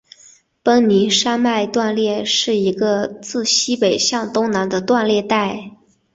奔宁山脉断裂带是一个自西北向东南的断裂带。